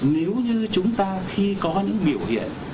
nếu như chúng ta khi có những biểu hiện